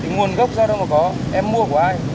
thì nguồn gốc ra đâu mà có em mua của ai